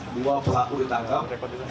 dua pelaku ditangkap